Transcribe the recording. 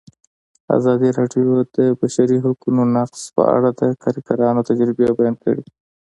ازادي راډیو د د بشري حقونو نقض په اړه د کارګرانو تجربې بیان کړي.